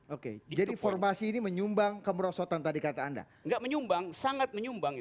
oke jadi formasi ini menyumbang kemerosotan tadi kata anda enggak menyumbang sangat menyumbang